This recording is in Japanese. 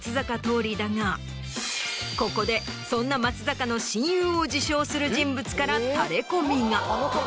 ここでそんな松坂の親友を自称する人物からタレコミが。